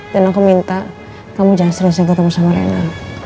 dan aku minta kamu jangan serius serius ketemu sama rena